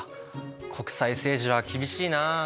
国際政治は厳しいなあ。